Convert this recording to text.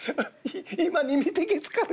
今に見てけつかれ。